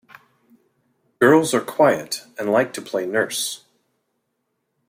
Girls are quiet, and like to play nurse.